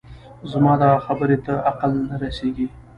زما دغه خبرې ته عقل نه رسېږي